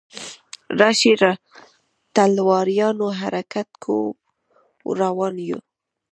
راشئ تلواریانو حرکت کوو روان یو.